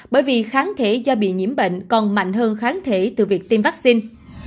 bởi vì kháng thể do bị nhiễm bệnh còn mạnh hơn kháng thể từ việc tiêm vaccine